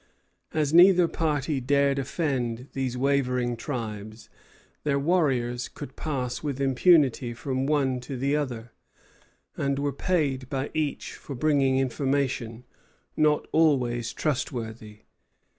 As neither party dared offend these wavering tribes, their warriors could pass with impunity from one to the other, and were paid by each for bringing information, not always trustworthy.